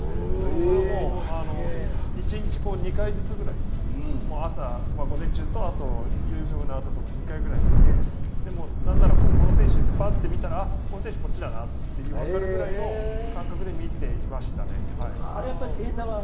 それを１日２回ずつぐらい朝、午前中と夕食のあととかに２回くらい見て何ならパッと見たらあっ、この選手はこっちだなと分かるぐらいの感覚で見ていました。